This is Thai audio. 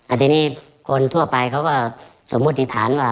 อันนี้คนทั่วไปเขาก็สมมติฐานว่า